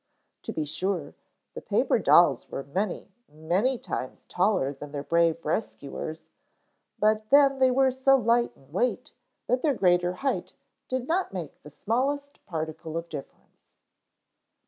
To be sure, the paper dolls were many, many times taller than their brave rescuers, but then they were so light in weight that their greater height did not make the smallest particle of difference.